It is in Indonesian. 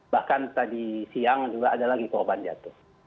bahkan tadi siang juga ada lagi korban jatuh